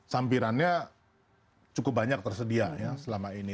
sampirannya cukup banyak tersedia ya selama ini